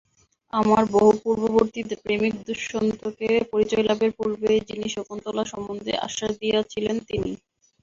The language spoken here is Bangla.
আমার বহুপূর্ববর্তী প্রেমিক দুষ্যন্তকে পরিচয়লাভের পূর্বেই যিনি শকুন্তলা সম্বন্ধে আশ্বাস দিয়াছিলেন, তিনিই।